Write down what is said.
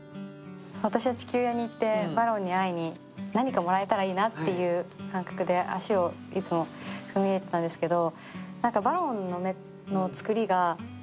私は地球屋に行ってバロンに会いに、何かもらえたらいいなという感覚で足をいつも踏み入れてたんですけど。